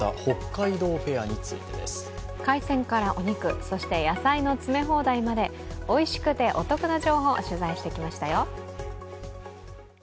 海鮮からお肉そして野菜の詰め放題までおいしくてお得な情報を取材してきましたよ。